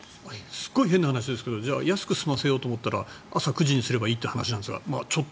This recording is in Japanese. すごい変な話ですが安く済ませようと思ったら朝９時にすればいいという話ですが。